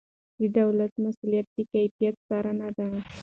د دولت مسؤلیت د کیفیت څارنه ده.